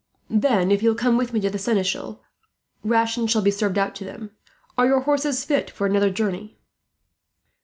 Then, if you will come with me to the seneschal, rations shall be served out to them. Are your horses fit for another journey?"